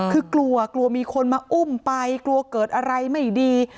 คือกลัวกลัวมีคนมาอุ้มไปกลัวเกิดอะไรไม่ดี